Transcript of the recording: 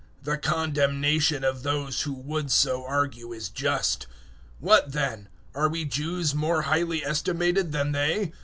The condemnation of those who would so argue is just. 003:009 What then? Are we Jews more highly estimated than they?